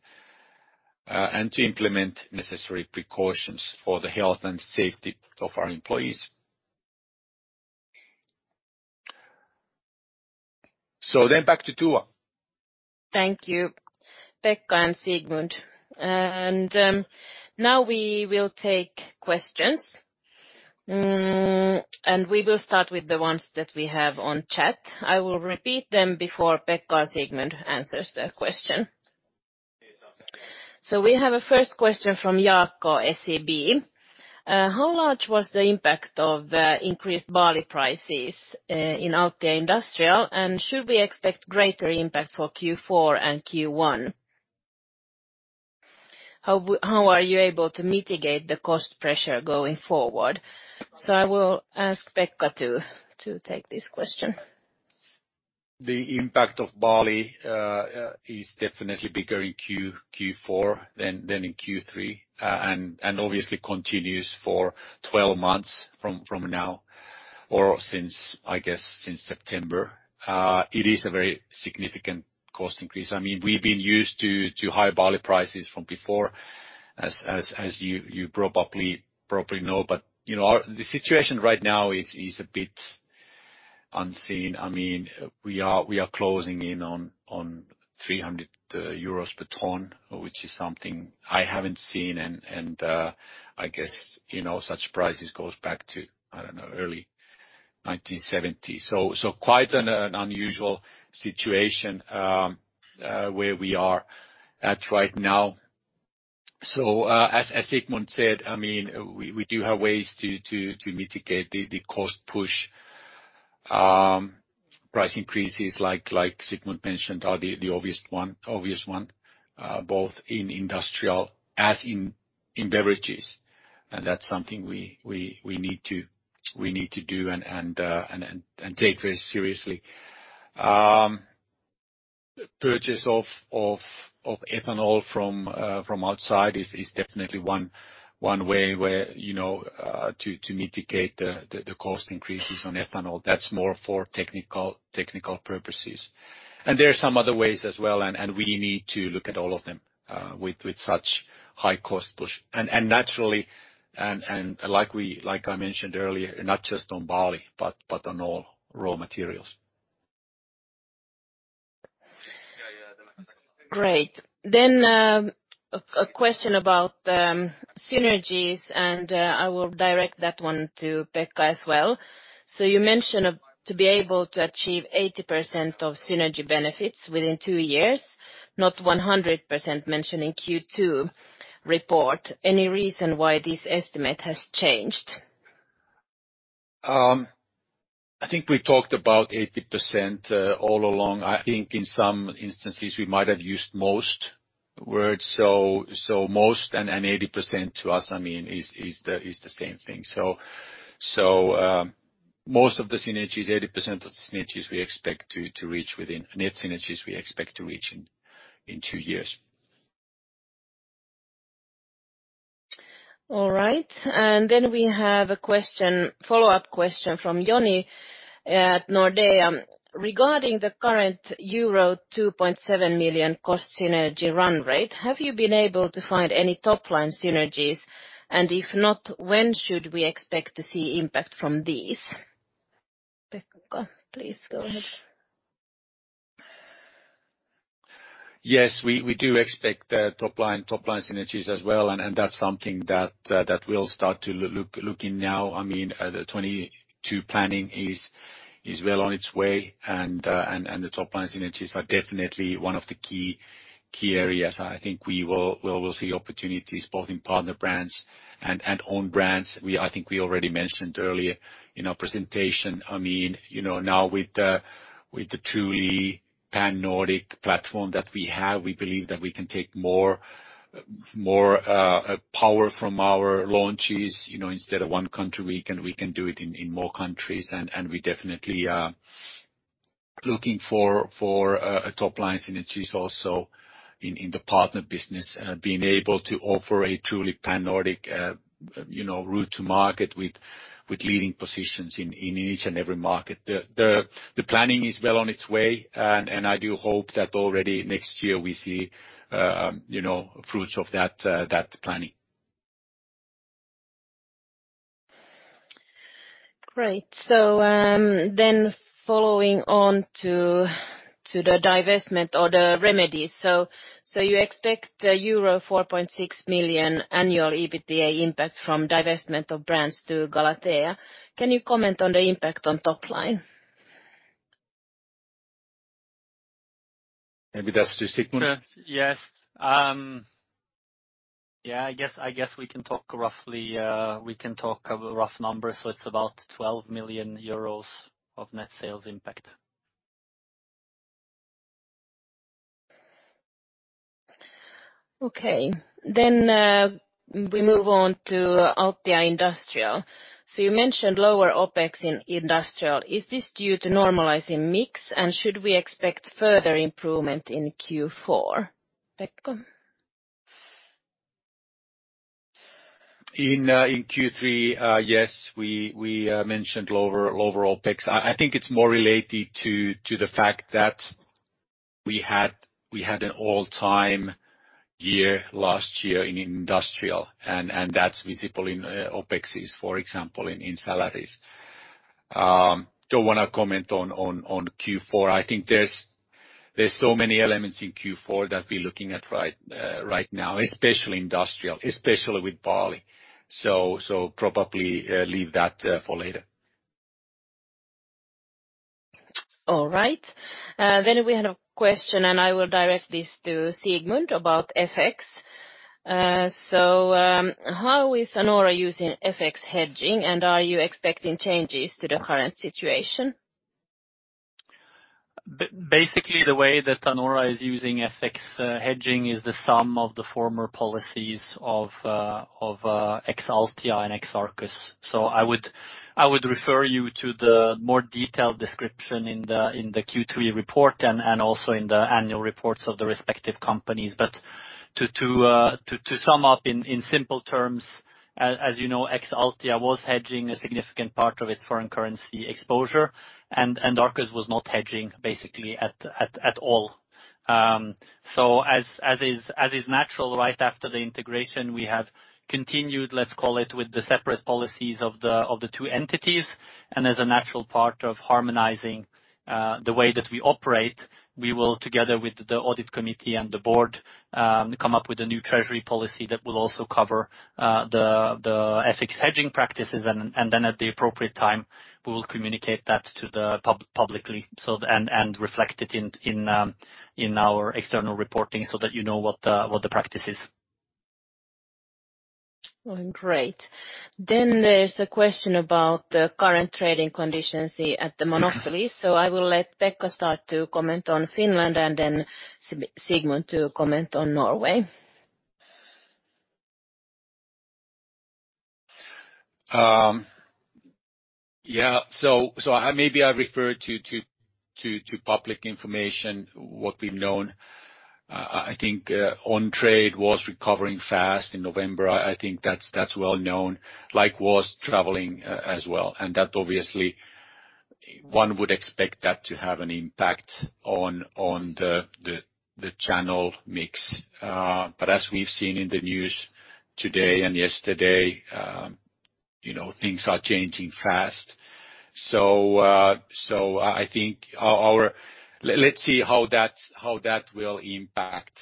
and to implement necessary precautions for the health and safety of our employees. Back to Tua. Thank you, Pekka and Sigmund. Now we will take questions. We will start with the ones that we have on chat. I will repeat them before Pekka or Sigmund answers the question. We have a first question from Jaakko, SEB. How large was the impact of the increased barley prices in Altia Industrial? And should we expect greater impact for Q4 and Q1? How are you able to mitigate the cost pressure going forward? I will ask Pekka to take this question. The impact of barley is definitely bigger in Q4 than in Q3. Obviously it continues for 12 months from now or since, I guess, since September. It is a very significant cost increase. I mean, we've been used to high barley prices from before as you probably know. You know, the situation right now is a bit unseen. I mean, we are closing in on 300 euros per ton, which is something I haven't seen and I guess, you know, such prices goes back to, I don't know, early 1970. Quite an unusual situation where we are at right now. As Sigmund said, I mean, we do have ways to mitigate the cost push. Price increases like Sigmund mentioned are the obvious one both in industrial as in beverages. That's something we need to do and take very seriously. Purchase of ethanol from outside is definitely one way where you know to mitigate the cost increases on ethanol. That's more for technical purposes. There are some other ways as well, and we need to look at all of them with such high cost push. Naturally, like I mentioned earlier, not just on barley, but on all raw materials. Great. A question about synergies, and I will direct that one to Pekka as well. You mentioned to be able to achieve 80% of synergy benefits within two years, not 100% mentioned in Q2 report. Any reason why this estimate has changed? I think we talked about 80% all along. I think in some instances, we might have used the word most, so most and 80% to us, I mean, is the same thing. Most of the synergies, 80% of the synergies we expect to reach within the next two years. All right. Then we have a question, follow-up question from Joni at Nordea. Regarding the current euro 2.7 million cost synergy run rate, have you been able to find any top-line synergies? If not, when should we expect to see impact from these? Pekka, please go ahead. Yes, we do expect top-line synergies as well, and that's something that we'll start to look into now. I mean, the 2022 planning is well on its way, and the top-line synergies are definitely one of the key areas. I think we will see opportunities both in partner brands and own brands. We think we already mentioned earlier in our presentation. I mean, you know, now with the truly pan-Nordic platform that we have, we believe that we can take more power from our launches, you know, instead of one country, we can do it in more countries. We definitely are looking for top-line synergies also in the partner business. Being able to offer a truly pan-Nordic, you know, route to market with leading positions in each and every market. The planning is well on its way. I do hope that already next year we see, you know, fruits of that planning. Great. Following on to the divestment or the remedies. You expect euro 4.6 million annual EBITDA impact from divestment of brands to Galatea. Can you comment on the impact on top line? Maybe that's to Sigmund. Sure. Yes. Yeah, I guess we can talk of rough numbers. It's about 12 million euros of net sales impact. We move on to Altia Industrial. You mentioned lower OpEx in Industrial. Is this due to normalizing mix? Should we expect further improvement in Q4? Pekka? In Q3, yes, we mentioned lower OpEx. I think it's more related to the fact that we had an all-time year last year in industrial, and that's visible in OpExes, for example, in salaries. Don't wanna comment on Q4. I think there's so many elements in Q4 that we're looking at right now, especially industrial, especially with barley. So probably leave that for later. All right. We had a question, and I will direct this to Sigmund about FX. How is Anora using FX hedging, and are you expecting changes to the current situation? Basically, the way that Anora is using FX hedging is the sum of the former policies of ex-Altia and ex-Arcus. I would refer you to the more detailed description in the Q3 report and also in the annual reports of the respective companies. To sum up in simple terms, as you know, ex-Altia was hedging a significant part of its foreign currency exposure, and Arcus was not hedging basically at all. As is natural, right after the integration, we have continued, let's call it, with the separate policies of the two entities. As a natural part of harmonizing the way that we operate, we will, together with the audit committee and the board, come up with a new treasury policy that will also cover the FX hedging practices. Then at the appropriate time, we will communicate that to the publicly, so and reflect it in our external reporting so that you know what the practice is. Well, great. There's a question about the current trading conditions at the monopolies. I will let Pekka start to comment on Finland and then Sigmund to comment on Norway. Maybe I refer to public information, what we've known. I think on-trade was recovering fast in November. I think that's well-known, like was traveling as well. That obviously one would expect that to have an impact on the channel mix. But as we've seen in the news today and yesterday, you know, things are changing fast. I think. Let's see how that will impact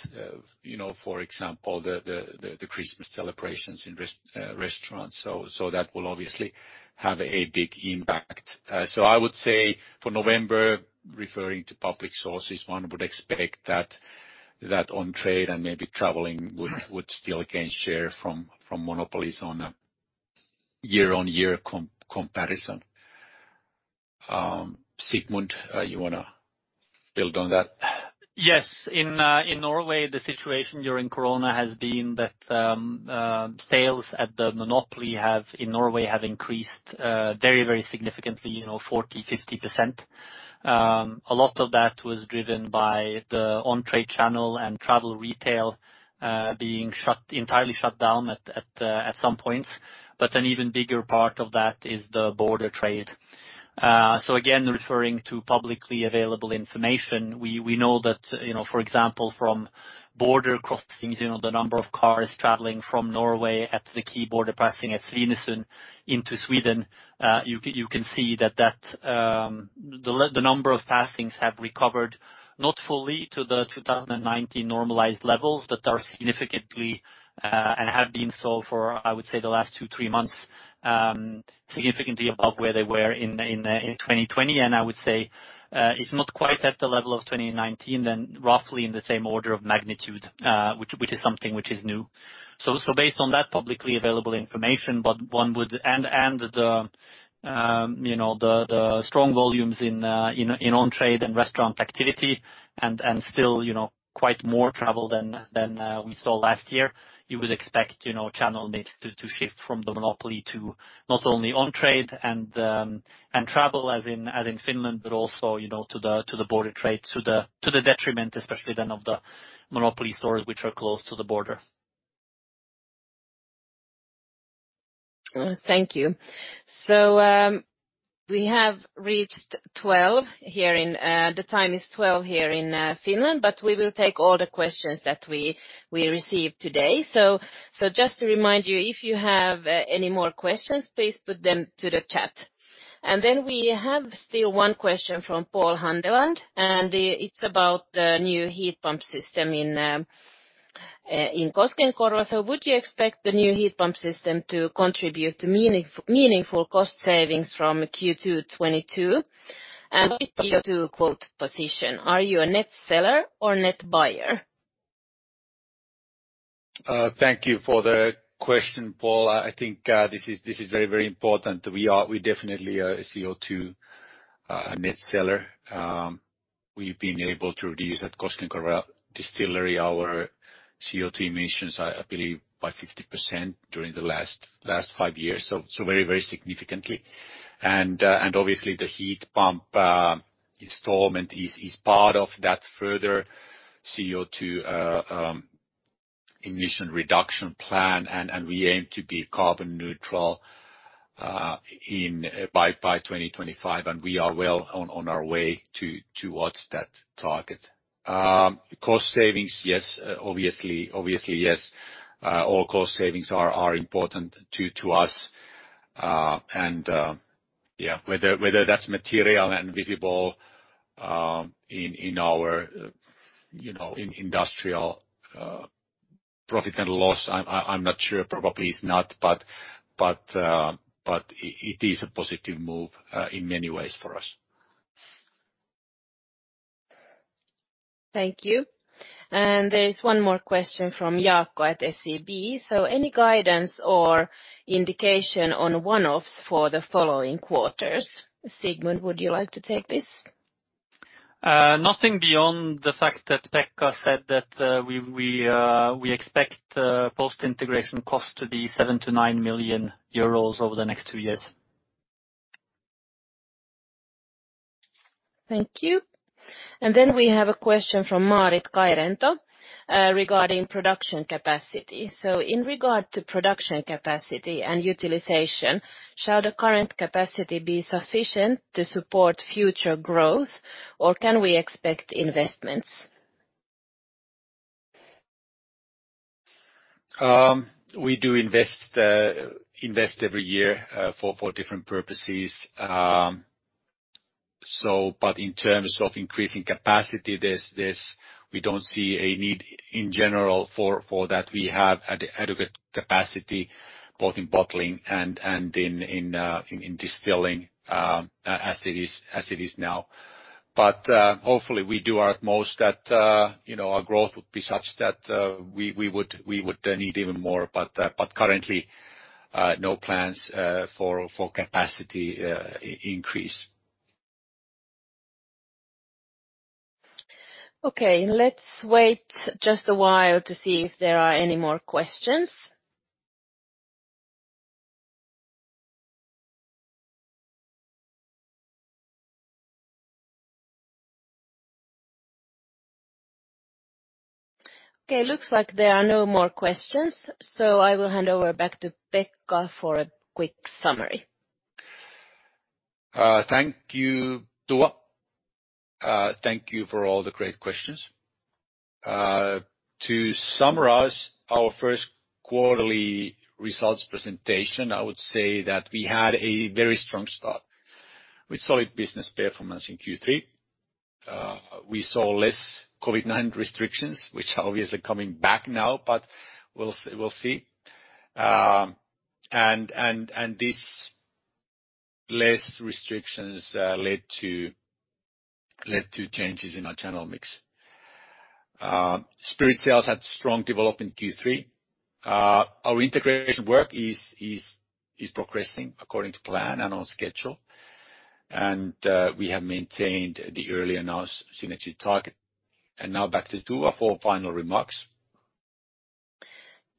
you know for example the Christmas celebrations in restaurants. That will obviously have a big impact. I would say for November, referring to public sources, one would expect that on-trade and maybe traveling would still gain share from monopolies on a year-on-year comparison. Sigmund, you wanna build on that? Yes. In Norway, the situation during Corona has been that sales at the monopoly in Norway have increased very significantly, you know, 40%-50%. A lot of that was driven by the on-trade channel and travel retail being entirely shut down at some point. An even bigger part of that is the border trade. Referring to publicly available information, we know that, you know, for example, from border crossings, you know, the number of cars traveling from Norway at the key border crossing at Svinesund into Sweden. You can see that the number of crossings have recovered, not fully to the 2019 normalized levels, but are significantly and have been so for, I would say, the last two-three months, significantly above where they were in 2020. I would say it's not quite at the level of 2019 but roughly in the same order of magnitude, which is something new. Based on that publicly available information, but one would... The strong volumes in on-trade and restaurant activity and still quite more travel than we saw last year, you would expect channel mix to shift from the monopoly to not only on-trade and travel as in Finland, but also to the border trade, to the detriment, especially then of the monopoly stores which are close to the border. Thank you. We have reached 12 here in Finland, the time is 12 here in Finland, but we will take all the questions that we receive today. Just to remind you, if you have any more questions, please put them to the chat. Then we have still one question from Pål Handeland, and it's about the new heat pump system in Koskenkorva. Would you expect the new heat pump system to contribute to meaningful cost savings from Q2 2022? And with CO2 quota position, are you a net seller or net buyer? Thank you for the question, Pål. I think this is very important. We definitely are a CO2 net seller. We've been able to reduce at Koskenkorva Distillery our CO2 emissions. I believe by 50% during the last five years, so very significantly. Obviously the heat pump installation is part of that further CO2 emission reduction plan. We aim to be carbon neutral by 2025. We are well on our way towards that target. Cost savings, yes. Obviously, yes. All cost savings are important to us. Yeah, whether that's material and visible in our, you know, in Industrial profit and loss, I'm not sure. Probably it's not. It is a positive move in many ways for us. Thank you. There is one more question from Jaakko at SEB. Any guidance or indication on one-offs for the following quarters? Sigmund, would you like to take this? Nothing beyond the fact that Pekka said that we expect post-integration costs to be 7 million-9 million euros over the next two years. Thank you. Then we have a question from Marit Kairento, regarding production capacity. In regard to production capacity and utilization, shall the current capacity be sufficient to support future growth, or can we expect investments? We do invest every year for different purposes. In terms of increasing capacity, we don't see a need in general for that. We have an adequate capacity, both in bottling and in distilling, as it is now. Hopefully we do our utmost at, you know, our growth would be such that we would need even more. Currently, no plans for capacity increase. Okay, let's wait just a while to see if there are any more questions. Okay, looks like there are no more questions, so I will hand over back to Pekka for a quick summary. Thank you, Tua. Thank you for all the great questions. To summarize our first quarterly results presentation, I would say that we had a very strong start with solid business performance in Q3. We saw less COVID-19 restrictions, which are obviously coming back now, but we'll see, we'll see. This less restrictions led to changes in our channel mix. Spirits sales had strong development in Q3. Our integration work is progressing according to plan and on schedule. We have maintained the early announced synergy target. Now back to Tua for final remarks.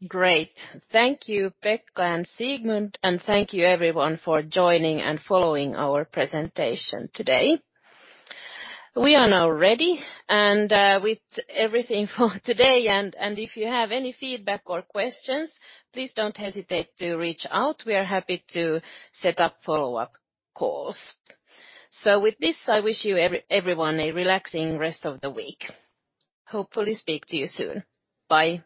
Great. Thank you, Pekka and Sigmund, and thank you everyone for joining and following our presentation today. We are now ready and with everything for today, and if you have any feedback or questions, please don't hesitate to reach out. We are happy to set up follow-up calls. With this, I wish you everyone a relaxing rest of the week. Hopefully speak to you soon. Bye.